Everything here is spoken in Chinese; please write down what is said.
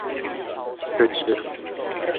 吃鸡